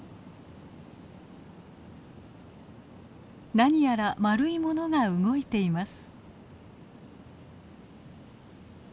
なにやら丸いものが動いています。